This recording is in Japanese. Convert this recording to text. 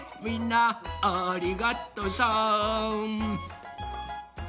みんなありがとさん。